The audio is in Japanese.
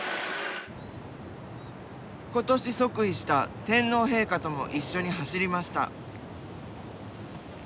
今年即位した天皇陛下とも一緒に走りました。